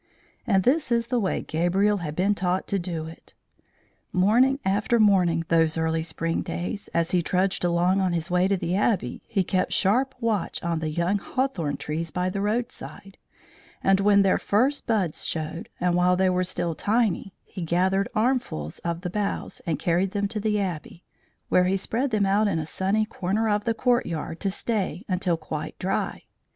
And this is the way Gabriel had been taught to do it: morning after morning of those early spring days, as he trudged along on his way to the Abbey, he kept sharp watch on the young hawthorn trees by the roadside; and when their first buds showed, and while they were still tiny, he gathered armfuls of the boughs, and carried them to the Abbey, where he spread them out in a sunny corner of the courtyard to stay until quite dry.